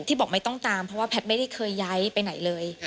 บอกไม่ต้องตามเพราะว่าแพทย์ไม่ได้เคยย้ายไปไหนเลย